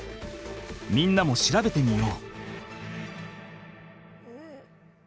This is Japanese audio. みんなも調べてみよう。